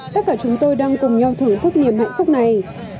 tất cả chúng tôi đang cùng nhau thưởng thức niềm hạnh phúc này